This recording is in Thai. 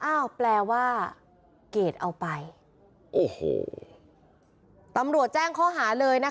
อ้าวแปลว่าเกรดเอาไปโอ้โหตำรวจแจ้งข้อหาเลยนะคะ